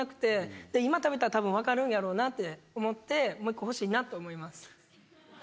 今食べたらたぶん分かるんやろうなって思ってもう１個欲しいなと思います。